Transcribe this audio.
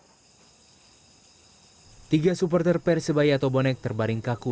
seperti ini seorang supporter persebayatobonek terbaring kaku